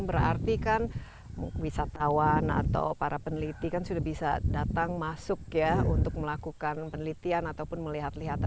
berarti kan wisatawan atau para peneliti kan sudah bisa datang masuk ya untuk melakukan penelitian ataupun melihat lihat